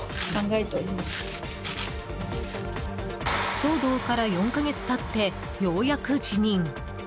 騒動から４か月経ってようやく辞任。